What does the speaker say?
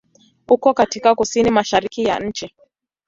Uko katika kusini-mashariki ya nchi.